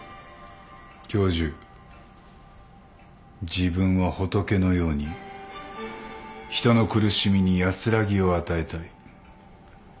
自分は仏のように人の苦しみに安らぎを与えたい。